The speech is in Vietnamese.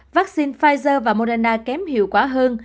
vaccine pfizer và moderna kém hiệu quả hơn